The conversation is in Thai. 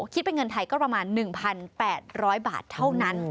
คิดเป็นเงินไทยก็ประมาณ๑๘๐๐บาทเท่านั้น